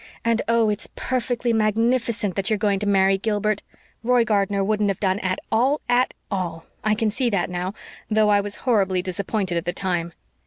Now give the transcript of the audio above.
And oh, it's perfectly magnificent that you're going to marry Gilbert. Roy Gardner wouldn't have done at all, at all. I can see that now, though I was horribly disappointed at the time.